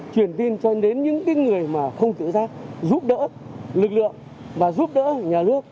truyền tin cho đến những người mà không tự giác giúp đỡ lực lượng và giúp đỡ nhà nước